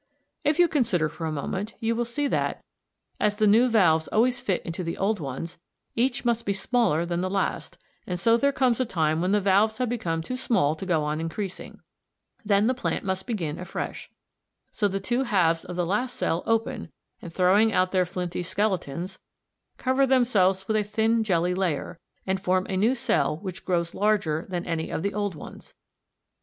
If you consider for a moment, you will see that, as the new valves always fit into the old ones, each must be smaller than the last, and so there comes a time when the valves have become too small to go on increasing. Then the plant must begin afresh. So the two halves of the last cell open, and throwing out their flinty skeletons, cover themselves with a thin jelly layer, and form a new cell which grows larger than any of the old ones.